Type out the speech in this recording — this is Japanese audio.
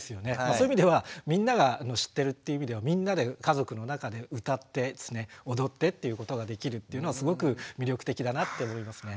そういう意味ではみんなが知ってるっていう意味ではみんなで家族の中で歌って踊ってっていうことができるっていうのはすごく魅力的だなって思いますね。